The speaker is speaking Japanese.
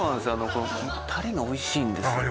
このタレがおいしいんですああ